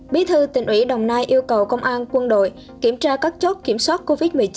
bí thư tỉnh ủy đồng nai yêu cầu công an quân đội kiểm tra các chốt kiểm soát covid một mươi chín